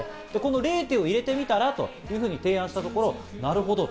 このＬｅｔｈｅを入れてみたら？というふうに提案したところ、なるほどと。